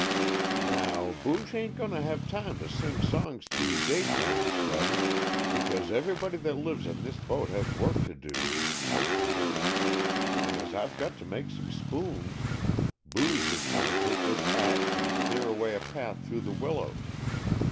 "Now, Booge ain't going to have time to sing songs to you daytimes, Buddy, because everybody that lives in this boat has work to do," said Peter, "and as I've got to make some spoons, Booge is going to take this ax and clear away a path through the willows.